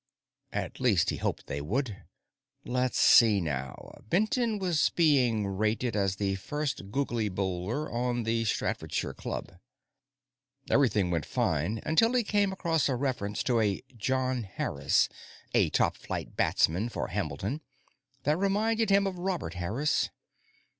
At least, he hoped they would. Let's see, now Benton was being rated as the finest googly bowler on the Staffordshire Club ... Everything went fine until he came across a reference to a John Harris, a top flight batsman for Hambledon; that reminded him of Robert Harris.